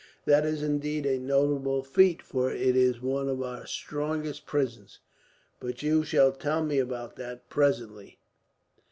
"That is indeed a notable feat, for it is one of our strongest prisons; but you shall tell me about that, presently.